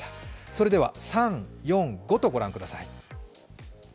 それでは３、４、５とご覧ください。